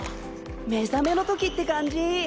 目覚めの時って感じ！